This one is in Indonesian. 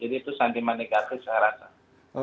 jadi itu sentimen negatif saya rasa